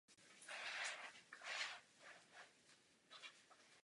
Mohou být původní smlouvy změněny?